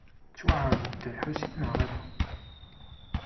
Ittwaɛreḍ-d Dda Lḥusin, neɣ ala?